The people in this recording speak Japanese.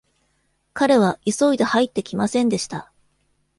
彼は急いで入ってきませんでした。